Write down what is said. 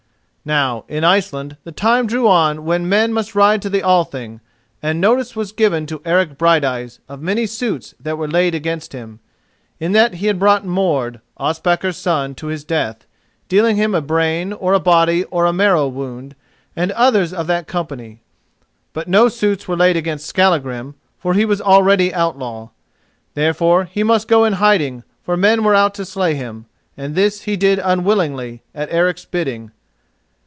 Now, in Iceland the time drew on when men must ride to the Althing, and notice was given to Eric Brighteyes of many suits that were laid against him, in that he had brought Mord, Ospakar's son, to his death, dealing him a brain or a body or a marrow wound, and others of that company. But no suits were laid against Skallagrim, for he was already outlaw. Therefore he must go in hiding, for men were out to slay him, and this he did unwillingly, at Eric's bidding.